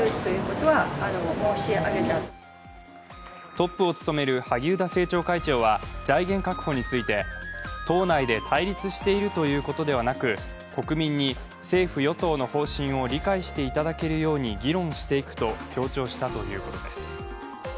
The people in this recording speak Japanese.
トップを務める萩生田政調会長は財源確保について、党内で対立しているということではなく国民に政府・与党の方針を理解していただけるように議論していくと強調したということです。